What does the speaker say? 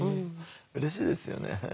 うれしいですよね。